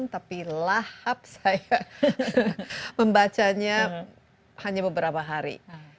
tapi lahap saya membacanya hanya beberapa hari